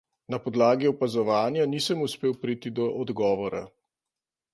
Na podlagi opazovanja nisem uspel priti do odgovora.